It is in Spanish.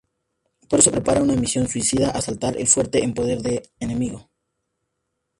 Por eso prepara una misión suicida: asaltar el fuerte en poder del enemigo.